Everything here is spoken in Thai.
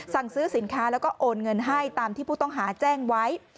สั่งซื้อสินค้าแล้วก็โอนเงินให้ตามที่ผู้ต้องหาแจ้งไว้